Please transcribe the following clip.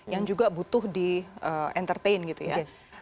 yang juga butuh di entertain gitu ya